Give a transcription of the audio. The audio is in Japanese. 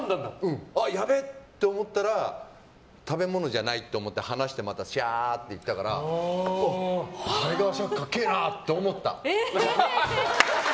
やべえ！って思ったら食べ物じゃないと思って離してまたシャーって行ったからタイガーシャークかっけえなって思った。